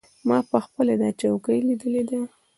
ما پخپله دا چوکۍ لیدلې ده.